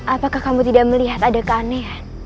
apakah kamu tidak melihat ada keanehan